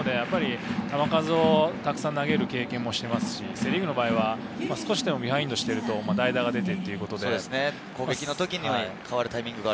球数をたくさん投げる経験もしていますし、セ・リーグの場合は少しでもビハインドしていると代打が出て。